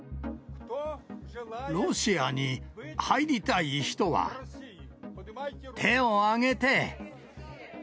ロシアに入りたい人は、手を挙げて！